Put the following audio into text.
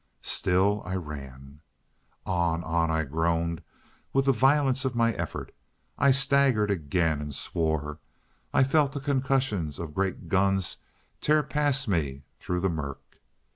... Still I ran. On, on! I groaned with the violence of my effort. I staggered again and swore. I felt the concussions of great guns tear past me through the murk.